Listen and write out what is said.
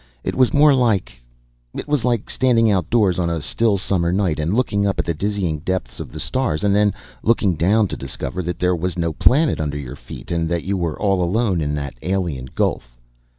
It was more like It was like standing outdoors, on a still summer night, and looking up at the dizzying depths of the stars. And then looking down, to discover that there was no planet under your feet and that you were all alone in that alien gulf....